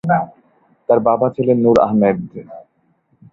তার বাবা ছিলেন নূর আহমেদ।